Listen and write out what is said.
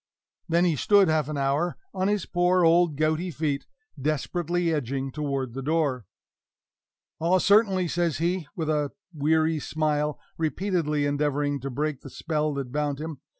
Then he stood half an hour on his poor old gouty feet, desperately edging toward the door. "Ah, certainly," says he, with a weary smile, repeatedly endeavoring to break the spell that bound him.